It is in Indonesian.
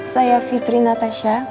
saya fitri natasha